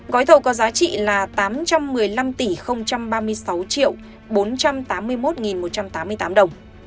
gói thầu có giá trị là tám trăm một mươi năm tỷ ba mươi sáu bốn trăm tám mươi một một trăm tám mươi tám đồng